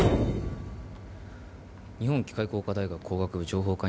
日本機械工科大学工学部情報科